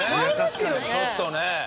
ちょっとね。